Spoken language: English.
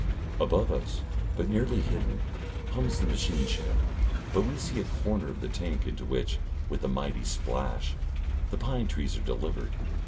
Above us, but nearly hidden, hums the machine shed, but we see a corner of the tank into which, with a mighty splash, the pine trees are delivered.